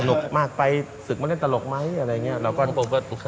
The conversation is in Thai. กมากไปศึกมาเล่นตลกไหมอะไรอย่างนี้